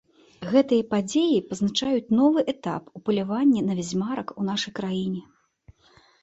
Гэтыя падзеі пазначаюць новы этап у паляванні на вядзьмарак у нашай краіне.